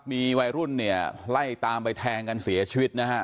มีวัยรุ่นไล่ตามไปแทงเสียชีวิต